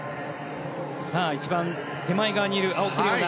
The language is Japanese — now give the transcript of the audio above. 一番手前側にいる青木玲緒樹。